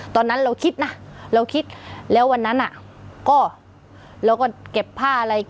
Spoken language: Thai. ตอนนั้นเราคิดนะเราคิดแล้ววันนั้นอ่ะก็เราก็เก็บผ้าอะไร